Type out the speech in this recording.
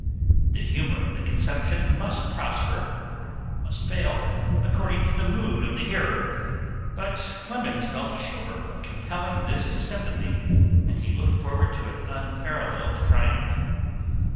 The humor of the conception must prosper or must fail according to the mood of the hearer, but Clemens felt sure of compelling this to sympathy, and he looked forward to an unparalleled triumph.